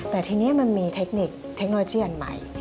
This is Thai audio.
แต่ทีนี้มันมีเทคนิคเทคโนโลยีอันใหม่